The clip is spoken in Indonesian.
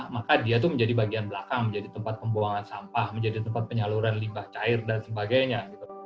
maka dia itu menjadi bagian belakang menjadi tempat pembuangan sampah menjadi tempat penyaluran limbah cair dan sebagainya